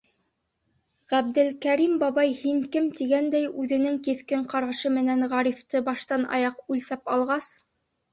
Ғәбделкәрим бабай, һин кем, тигәндәй, үҙенең киҫкен ҡарашы менән Ғарифты баштан-аяҡ үлсәп алғас: